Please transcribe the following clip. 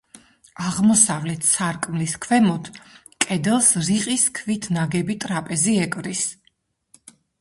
აღმოსავლეთ სარკმლის ქვემოთ, კედელს, რიყის ქვით ნაგები ტრაპეზი ეკვრის.